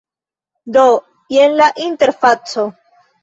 Do, jen la interfaco